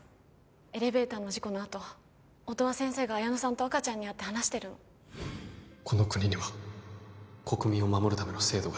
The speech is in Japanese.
エレベーターの事故のあと音羽先生が彩乃さんと赤ちゃんに会って話してるのこの国には国民を守るための制度が